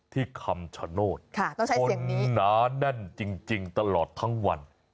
ที่ไหนแล้ว